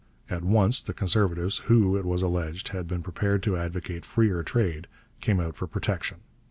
At once the Conservatives, who, it was alleged, had been prepared to advocate freer trade, came out for protection.